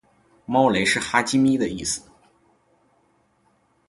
猫雷是哈基米的意思